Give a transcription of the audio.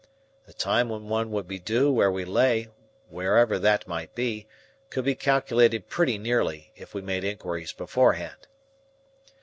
The time when one would be due where we lay, wherever that might be, could be calculated pretty nearly, if we made inquiries beforehand.